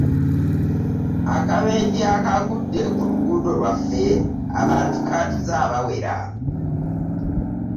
Akabenje akaagudde ku luguudo lw'ewaffe abantu kaatuze abawera.